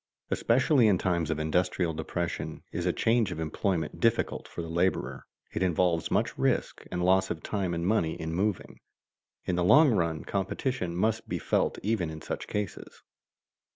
Especially in times of industrial depression is a change of employment difficult for the laborer; it involves much risk, and loss of time and money in moving. In the long run competition must be felt even in such cases.